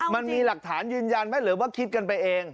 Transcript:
มันมีหลักฐานยืนยันไหมหรือว่าคิดกันไปเอง